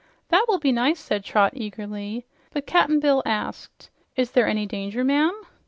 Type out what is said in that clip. "That will be nice," said Trot eagerly. But Cap'n Bill asked, "Is there any danger, ma'am?"